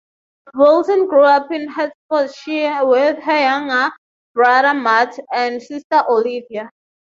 Wilson grew up in Hertfordshire with her younger brother Matt, and sister, Olivia.